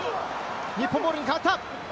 日本ボールに変わった。